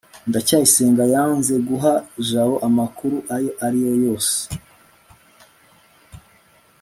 ndacyayisenga yanze guha jabo amakuru ayo ari yo yose